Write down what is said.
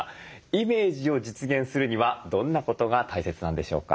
イメージを実現するにはどんなことが大切なんでしょうか。